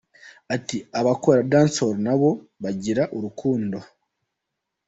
Ati “Abakora Dancehall na bo bagira urukundo.